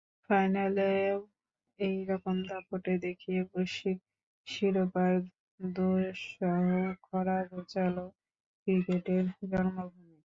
ফাইনালেও একই রকম দাপট দেখিয়ে বৈশ্বিক শিরোপার দুঃসহ খরা ঘোচাল ক্রিকেটের জন্মভূমি।